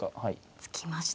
突きました。